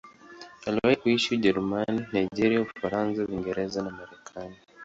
Aliwahi kuishi Ujerumani, Nigeria, Ufaransa, Uingereza na Marekani.